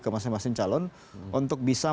ke masing masing calon untuk bisa